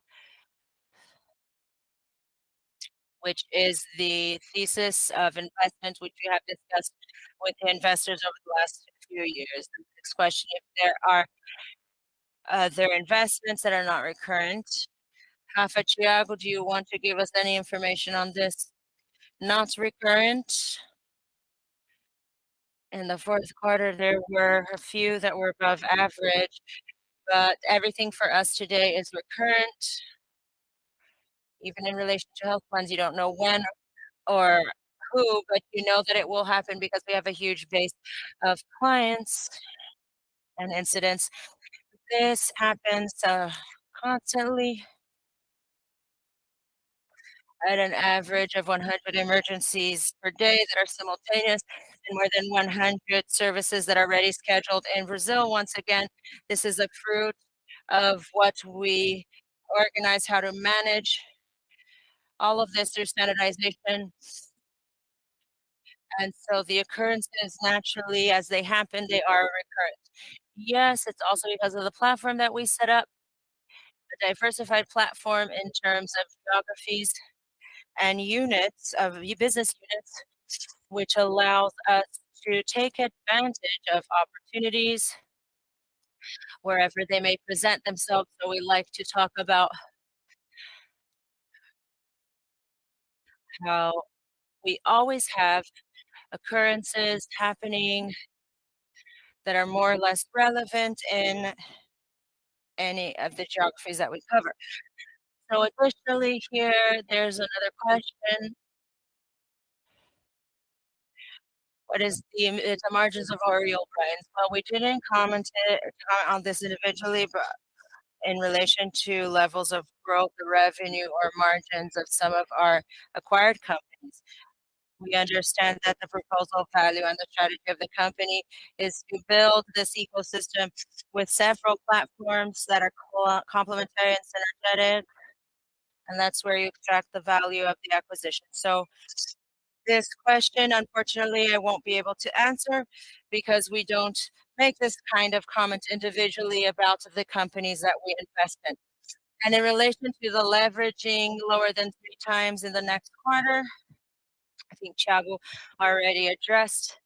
which is the thesis of investment which we have discussed with investors over the last few years. The next question, if there are investments that are not recurrent. Rafa, Thiago, do you want to give us any information on this? Not recurrent. In the fourth quarter, there were a few that were above average, but everything for us today is recurrent. Even in relation to health plans, you don't know when or who, but you know that it will happen because we have a huge base of clients and incidents. This happens constantly. At an average of 100 emergencies per day that are simultaneous and more than 100 services that are already scheduled in Brazil. Once again, this is a fruit of what we organize how to manage all of this through standardization. The occurrences naturally as they happen, they are recurrent. Yes, it's also because of the platform that we set up. A diversified platform in terms of geographies and units of business units, which allows us to take advantage of opportunities wherever they may present themselves. We like to talk about how we always have occurrences happening that are more or less relevant in any of the geographies that we cover. Additionally here, there's another question. What is the margins of our real price? Well, we didn't comment on this individually, but in relation to levels of growth, revenue, or margins of some of our acquired companies. We understand that the proposal value and the strategy of the company is to build this ecosystem with several platforms that are co-complementary and synergetic, and that's where you extract the value of the acquisition. This question, unfortunately, I won't be able to answer because we don't make this kind of comment individually about the companies that we invest in. In relation to the leveraging lower than 3x in the next quarter, I think Thiago already addressed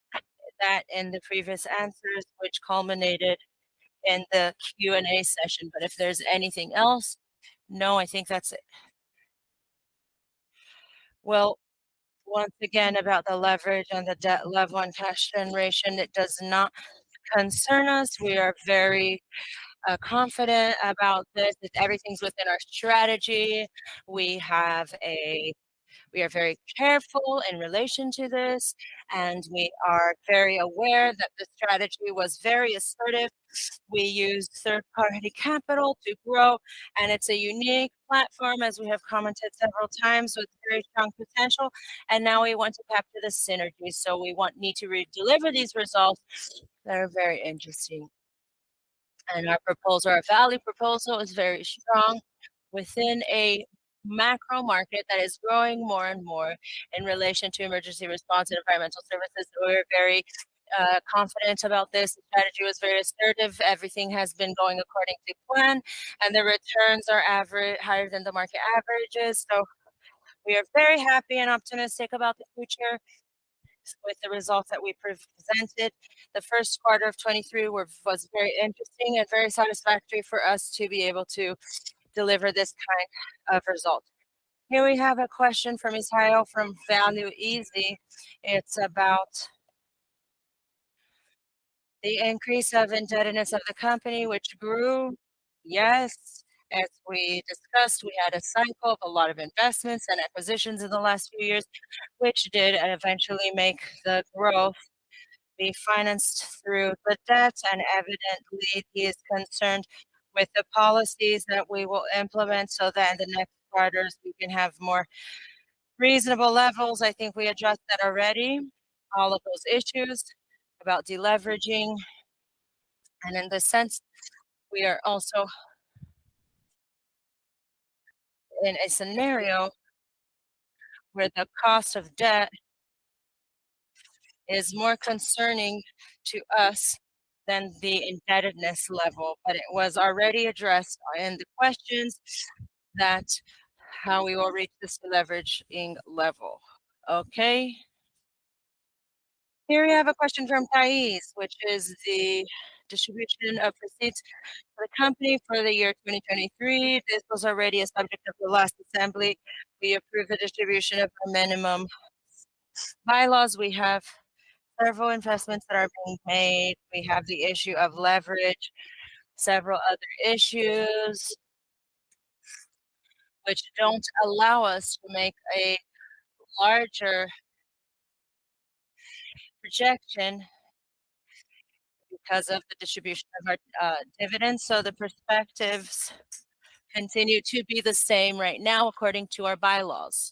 that in the previous answers, which culminated in the Q&A session. If there's anything else? No, I think that's it. Once again, about the leverage and the debt level and cash generation, it does not concern us. We are very confident about this, that everything's within our strategy. We are very careful in relation to this, and we are very aware that the strategy was very assertive. We used third-party capital to grow. It's a unique platform, as we have commented several times, with very strong potential. Now we want to capture the synergy, so we need to deliver these results that are very interesting. Our proposal, our value proposal is very strong within a macro market that is growing more and more in relation to emergency response and environmental services. We're very confident about this. The strategy was very assertive. Everything has been going according to plan, and the returns are higher than the market averages. We are very happy and optimistic about the future with the results that we presented. The first quarter of 2023 was very interesting and very satisfactory for us to be able to deliver this kind of result. Here we have a question from Israel from Value Easy. It's about the increase of indebtedness of the company which grew. Yes. As we discussed, we had a cycle of a lot of investments and acquisitions in the last few years, which did eventually make the growth be financed through the debt. Evidently, he is concerned with the policies that we will implement so that in the next quarters, we can have more reasonable levels. I think we addressed that already, all of those issues about deleveraging. In this sense, we are also in a scenario where the cost of debt is more concerning to us than the indebtedness level, but it was already addressed in the questions that how we will reach this deleveraging level. Okay. Here we have a question from Tais, which is the distribution of proceeds for the company for the year 2023. This was already a subject of the last assembly. We approved the distribution of the minimum bylaws. We have several investments that are being made. We have the issue of leverage, several other issues which don't allow us to make a larger projection because of the distribution of our dividends. The perspectives continue to be the same right now according to our bylaws.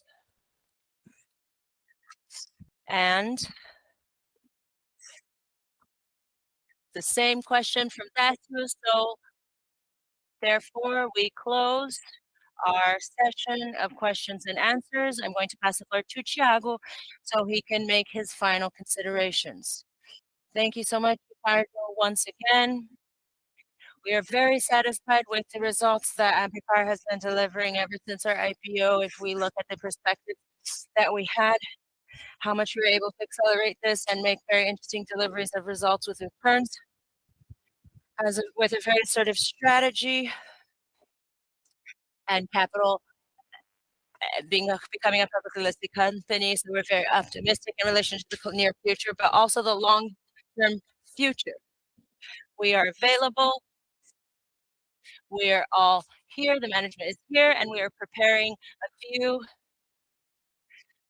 The same question from Matthew. Therefore, we close our session of questions and answers. I'm going to pass the floor to Thiago so he can make his final considerations. Thank you so much, Ricardo. Once again, we are very satisfied with the results that Ambipar has been delivering ever since our IPO. If we look at the perspectives that we had, how much we were able to accelerate this and make very interesting deliveries of results with inference, with a very assertive strategy and capital, becoming a public listed company. We're very optimistic in relation to the near future, but also the long-term future. We are available. We are all here. The management is here. We are preparing a few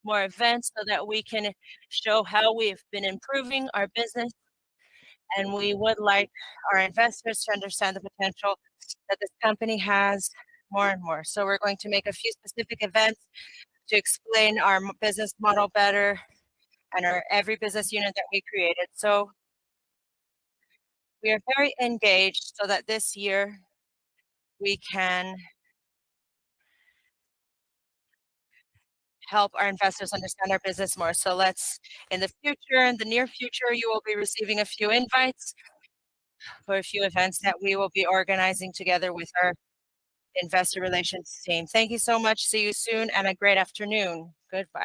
more events so that we can show how we've been improving our business. We would like our investors to understand the potential that this company has more and more. We're going to make a few specific events to explain our business model better and every business unit that we created. We are very engaged so that this year we can help our investors understand our business more. In the future, in the near future, you will be receiving a few invites for a few events that we will be organizing together with our investor relations team. Thank you so much. See you soon, and a great afternoon. Goodbye.